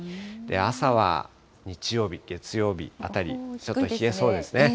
朝は日曜日、月曜日あたり冷えそうですね。